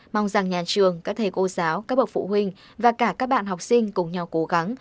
mong rằng nhà trường các thầy cô giáo các bậc phụ huynh và cả các bạn học sinh cùng nhau cố gắng